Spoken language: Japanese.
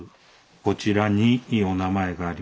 こちらにお名前があります。